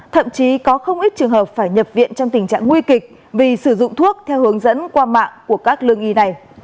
thậm chí có không ít trường hợp phải nhập viện trong tình trạng nguy kịch vì sử dụng thuốc theo hướng dẫn qua mạng của các lương y này